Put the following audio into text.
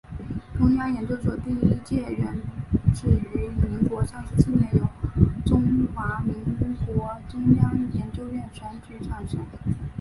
中央研究院第一届院士于民国三十七年由中华民国中央研究院选举产生。